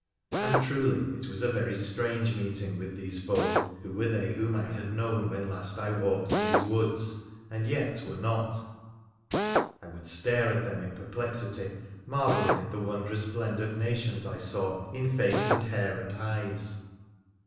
And truly it was a very strange meeting with these folk, who were they whom I had known when last I walked these woods, and yet were not. I would stare at them in perplexity, marvelling at the wondrous blend of nations I saw in face and hair and eyes.